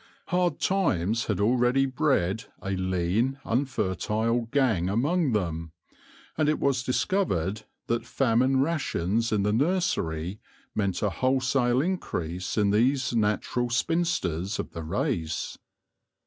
Hard times had already bred a lean, unfer tile gang among them, and it was discovered that famine rations in the nursery meant a wholesale increase in these natural spinsters of the race.